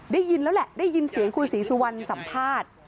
ได้ยินแล้วแหละได้ยินเสียงคุณศรีสุวรรณสัมภาษณ์